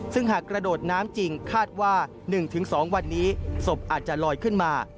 ซึ่งหากกระโดดน้ำจริงคาดว่า๑๒วันนี้ศพอาจจะลอยขึ้นมา